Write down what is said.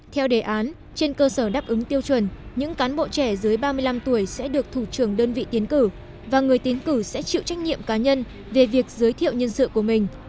theo đề án trên cơ sở đáp ứng tiêu chuẩn những cán bộ trẻ dưới ba mươi năm tuổi sẽ được thủ trưởng đơn vị tiến cử và người tín cử sẽ chịu trách nhiệm cá nhân về việc giới thiệu nhân sự của mình